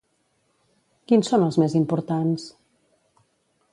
Quins són els més importants?